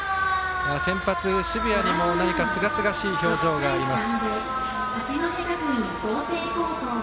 先発、澁谷にも何かすがすがしい表情があります。